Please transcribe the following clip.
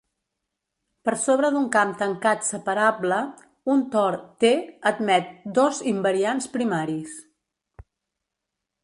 Per sobre d'un camp tancat separable, un tor "T" admet dos invariants primaris.